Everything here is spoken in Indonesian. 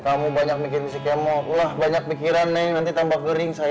kamu banyak mikir kesekian ulnych banyak mikiran neng nanti tambah kering sayang ya